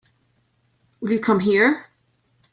Will you come here?